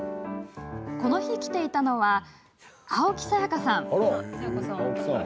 この日、来ていたのは青木さやかさん。